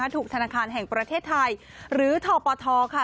ถูกธนาคารแห่งประเทศไทยหรือทปทค่ะ